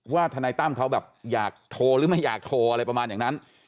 ทนายตั้มเขาแบบอยากโทรหรือไม่อยากโทรอะไรประมาณอย่างนั้น